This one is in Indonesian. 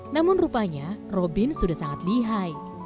namun rupanya robin sudah sangat lihai